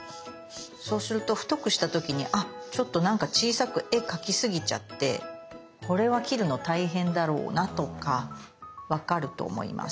そうすると太くした時にあちょっと何か小さく絵描きすぎちゃってこれは切るの大変だろうなとか分かると思います。